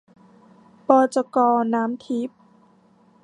บจก.น้ำทิพย์